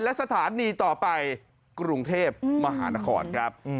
และสถานีต่อไปกรุงเทพมหานครครับ